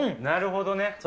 なるほどね。